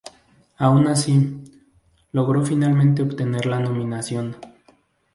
Aun así, logró finalmente obtener la nominación.